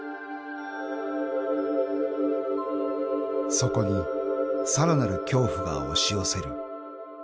［そこにさらなる恐怖が押し寄せる］